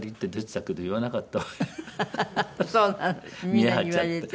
見えを張っちゃって。